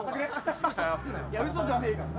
・嘘じゃねえから。